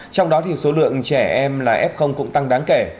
trong đó thì số lượng trẻ em là f cũng tăng đáng kể